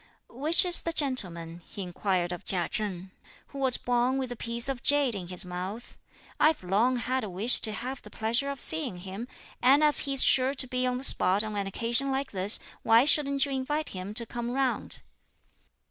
"Which is the gentleman," he inquired of Chia Chen, "who was born with a piece of jade in his mouth? I've long had a wish to have the pleasure of seeing him, and as he's sure to be on the spot on an occasion like this, why shouldn't you invite him to come round?"